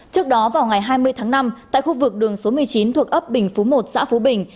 trước đó vào ngày hai mươi tháng năm tại khu vực đường số một mươi chín thuộc ấp bình phú một xã phú bình